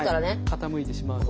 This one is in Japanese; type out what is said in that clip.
傾いてしまうので。